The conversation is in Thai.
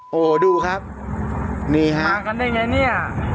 โอ้โหดูครับนี่ฮะมากันได้ไงเนี่ย